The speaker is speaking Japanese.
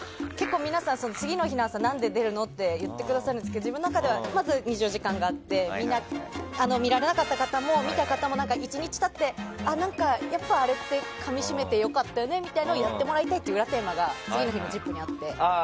皆さん、次の日の朝なんで出るのって言ってくださるんですけどまず自分の中では「２４時間テレビ」があってみんな見られなかった方も見た方も１日経ってやっぱりあれってかみしめて良かったよねみたいなのをやってもらいたいのが裏テーマで「ＺＩＰ！」にはあって。